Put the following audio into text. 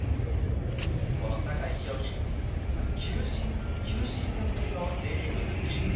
酒井宏樹、９シーズンぶりのＪリーグ復帰。